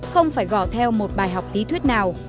không phải gõ theo một bài học tí thuyết nào